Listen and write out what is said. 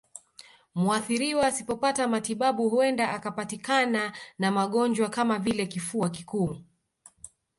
Muathiriwa asipopata matibabu huenda akapatikana na magonjwa kama vile kifua kikuu